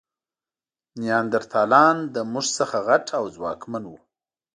نیاندرتالان له موږ څخه غټ او ځواکمن وو.